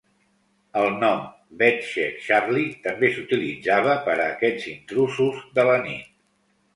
El nom "Bed Check Charlie" també s'utilitzava per a aquests intrusos de la nit.